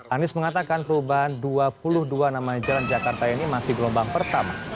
anies mengatakan perubahan dua puluh dua nama jalan jakarta ini masih gelombang pertama